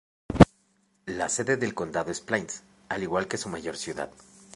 La sede del condado es Plains, al igual que su mayor ciudad.